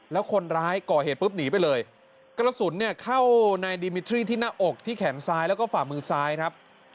แล้วคนร้ายก่อเหตุปุ๊บหนีไปเลยกระสุนเนี่ยเข้าในดิมิทรี่ที่หน้าอกที่แขนซ้ายแล้วก็ฝ่ามือซ้ายครับ